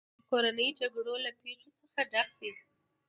د کورنیو جګړو له پېښو څخه ډک دی.